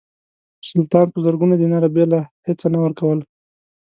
سلطان په زرګونو دیناره بېله هیڅه نه ورکول.